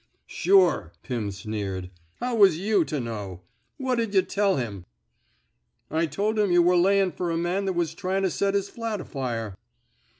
''Sure,'' Pirn sneered. How was you to know? ... What'd yuh teU him! "^^ I tol' him yuh were layin' fer a man that was tryin' to set his flat afire."